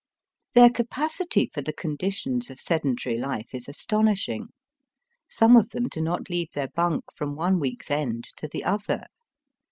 Their capacity for the conditions of sedentary life is astonishing. Some of them do not leave their bunk from one week's end to the other.